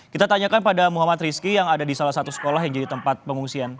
kita tanyakan pada muhammad rizky yang ada di salah satu sekolah yang jadi tempat pengungsian